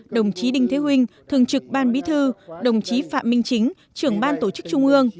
đồng chí đinh thế huynh thường trực ban bí thư đồng chí phạm minh chính trưởng ban tổ chức trung ương